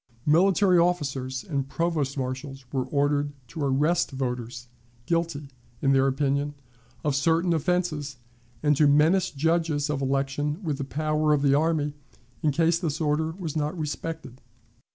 Military officers and provost marshals were ordered to arrest voters, guilty, in their opinion, of certain offenses, and to menace judges of election with the power of the army in case this order was not respected.